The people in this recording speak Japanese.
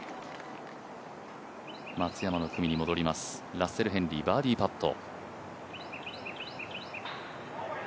松山の組に戻ります、ラッセル・ヘンリー、バーディーパット。